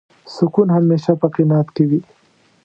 سکون همېشه په قناعت کې وي.